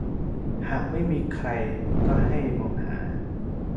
หากไม่มีใครก็ให้มองหา